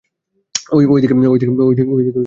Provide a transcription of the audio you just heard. ওই দিকে উত্তর।